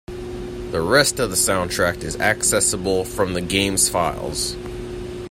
The rest of the soundtrack is accessible from the game's files.